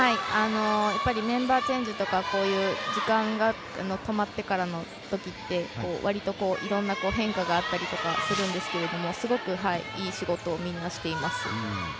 メンバーチェンジとか時間が止まってからのときってわりといろいろな変化があったりするんですけどすごくいい仕事をみんなしています。